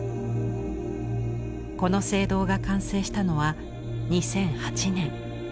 この聖堂が完成したのは２００８年。